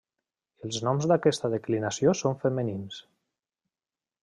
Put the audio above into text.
Els noms d'aquesta declinació són femenins.